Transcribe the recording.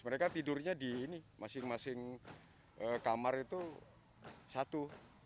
mereka tidurnya di ini masing masing kamar itu satu